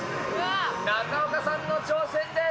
中岡さんの挑戦です。